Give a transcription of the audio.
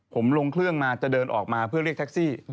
ผมลงเครื่องมาจะเดินออกมาเพื่อเรียกแท็กซี่